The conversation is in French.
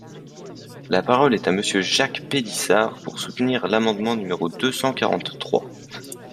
La parole est à Monsieur Jacques Pélissard, pour soutenir l’amendement numéro deux cent quarante-trois.